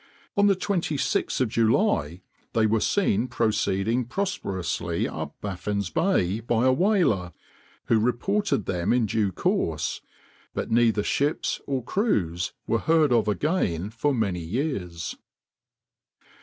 On the 26th of July they were seen proceeding prosperously up Baffin's Bay by a whaler, who reported them in due course, but neither ships or crews were heard of again for many years.